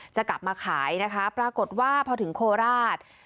จะกลับมาขายนะคะปรากฏว่าพอถึงโคราช